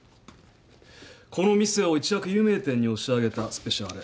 この店を一躍有名店に押し上げたスペシャーレ。